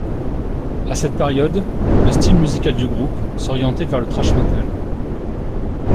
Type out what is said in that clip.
À cette période, le style musical du groupe s'orientait vers le thrash metal.